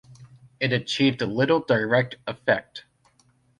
It achieved little direct effect.